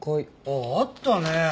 あああったね。